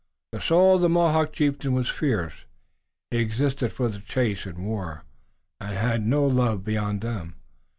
The soul of the Mohawk chieftain was fierce. He existed for the chase and war, and had no love beyond them.